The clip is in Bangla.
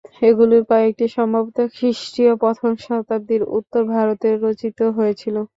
এগুলির কয়েকটি সম্ভবত খ্রিস্টীয় প্রথম শতাব্দীতে উত্তর ভারতে রচিত হয়েছিল।